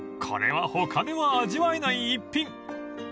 ［これは他では味わえない逸品］